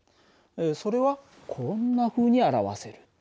それはこんなふうに表せる。